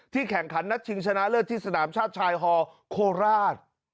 แข่งขันนัดชิงชนะเลิศที่สนามชาติชายฮอลโคราช